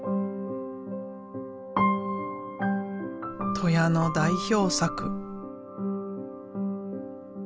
戸谷の代表作。